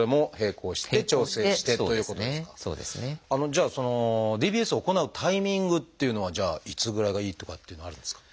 じゃあそのＤＢＳを行うタイミングっていうのはじゃあいつぐらいがいいとかっていうのはあるんですか？